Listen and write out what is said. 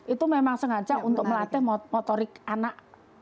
itu memang sengaja untuk melatih motorik anak